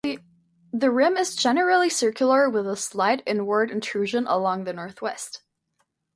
The rim is generally circular, with a slight inward intrusion along the northwest.